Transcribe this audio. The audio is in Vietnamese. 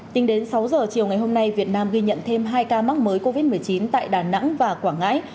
tính đến sáu giờ chiều ngày hôm nay việt nam ghi nhận thêm hai ca mắc mới covid một mươi chín tại đà nẵng và quảng ngãi